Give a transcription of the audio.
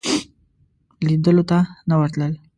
لیدلو ته نه ورتلل.